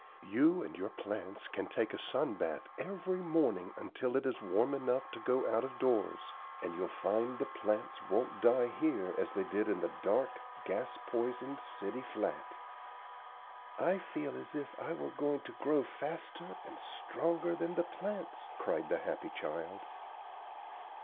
You and your plants can take a sun bath every morning until it is warm, enough to go out of doors, and you'll find the plants won't die here as they did in the dark, gas poisoned city flat." "I feel as if I were going to grow faster and stronger than the plants," cried the happy child.